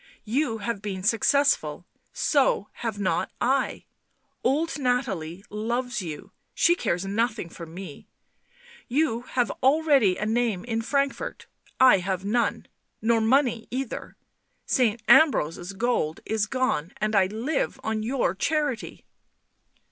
. you have been successful ... so have not I ... old Nathalie loves you — she cares nothing for me — you have already a name in Frankfort — I have none, nor money either ... Saint Ambrose's gold is gone, and I live on your charity."